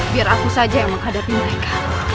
biar aku saja yang menghadapi mereka